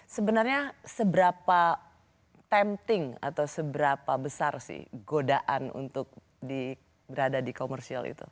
sebenarnya seberapa tempting atau seberapa besar sih godaan untuk berada di komersial itu